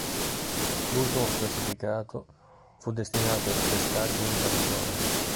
L', ultimo classificato, fu destinato ai ripescaggi interzona.